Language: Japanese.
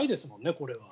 これは。